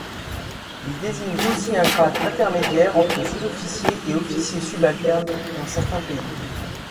Il désigne aussi un grade intermédiaire entre sous-officiers et officiers subalternes dans certains pays.